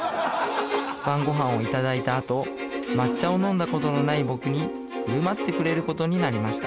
晩ごはんをいただいたあと抹茶を飲んだことのない僕に振る舞ってくれることになりました